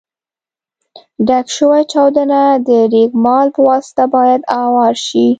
ډک شوي چاودونه د رېګمال په واسطه باید اوار شي.